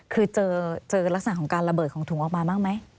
คือเจอลักษณะของการระเบิดของถุงออกมาบ้างไหม